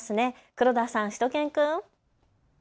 黒田さん、しゅと犬くん。